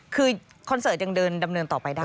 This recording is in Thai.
คือคอนเสิร์ตยังเดินดำเนินต่อไปได้